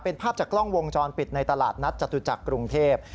เป็นภาพจากกล้องวงจรปิดในตลาดนัดจตุจักรกรุงเทพ